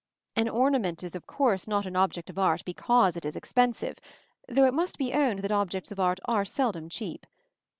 An ornament is of course not an object of art because it is expensive though it must be owned that objects of art are seldom cheap.